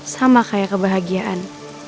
sama kayak kebahagiaan